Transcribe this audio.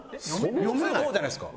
普通こうじゃないですか。